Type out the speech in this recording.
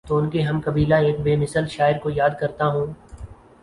تو ان کے ہم قبیلہ ایک بے مثل شاعرکو یا دکرتا ہوں۔